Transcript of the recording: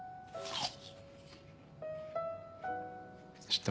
はい。